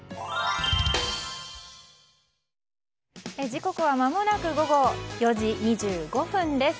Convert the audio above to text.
時刻はまもなく４時２５分です。